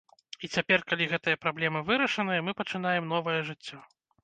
І цяпер, калі гэтыя праблемы вырашаныя, мы пачынаем новае жыццё.